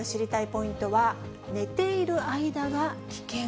ポイントは寝ている間が危険。